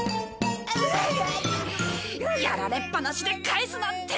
やられっぱなしで帰すなんて。